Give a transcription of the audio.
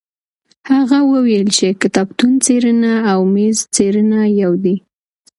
هغه وویل چي کتابتون څېړنه او میز څېړنه یو دي.